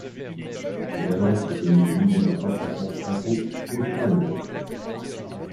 Cette agence préconisait l’idée d’un rapprochement franco-austro-hongrois.